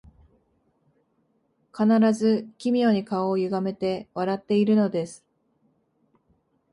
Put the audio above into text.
必ず奇妙に顔をゆがめて笑っているのです